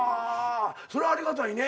それありがたいね。